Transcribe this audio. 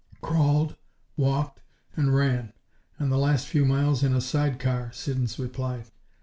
"Crawled, walked and ran, and the last few miles in a side car," Siddons replied.